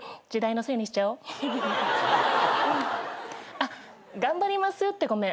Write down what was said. あっ「頑張ります」ってごめん。